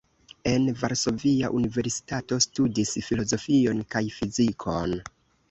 En Varsovia Universitato studis filozofion kaj fizikon.